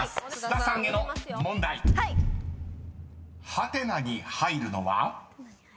［ハテナに入るのは？］